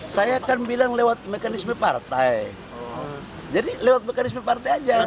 saya akan bilang lewat mekanisme partai jadi lewat mekanisme partai aja